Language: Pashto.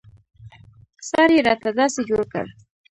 سر يې راته داسې جوړ کړ.